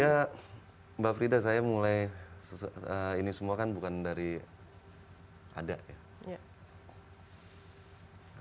ya mbak frida saya mulai ini semua kan bukan dari ada ya